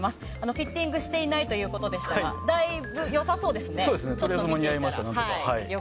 フィッティングしていないということでしたがだいぶ、良さそうですね。